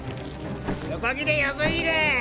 横切れ横切れ。